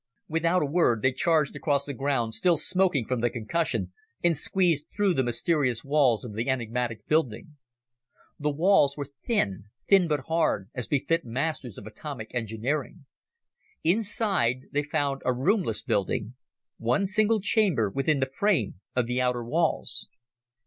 Without a word, they charged across the ground, still smoking from the concussion, and squeezed through the mysterious walls of the enigmatic building. The walls were thin, thin but hard, as befit masters of atomic engineering. Inside, they found a roomless building one single chamber within the frame of the outer walls.